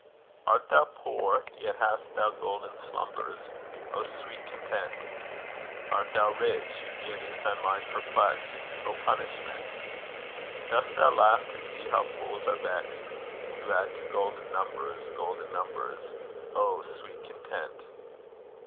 Art thou poor, yet hast thou golden slumbers? Oh, sweet content! Art thou rich, yet is thy mind perplexed? Oh, punishment! Dost thou laugh to see how fools are vexed To add to golden numbers, golden numbers? Oh, sweet content!